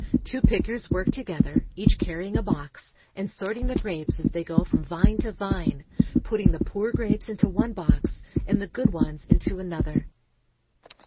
Two pickers work to gether, each carrying a box, and sorting the grapes as they go from vine to vine, putting the poor grapes into one box and the good ones into another.